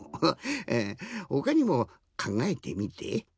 えほかにもかんがえてみて。